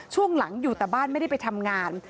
ช่วงหลังอยู่แต่บ้านไม่ได้ไปทำงาน